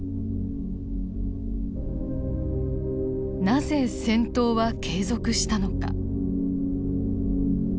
なぜ戦闘は継続したのか。